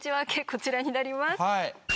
こちらになります。